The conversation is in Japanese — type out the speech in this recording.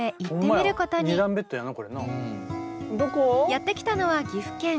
やって来たのは岐阜県。